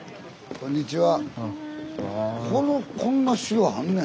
こんにちは。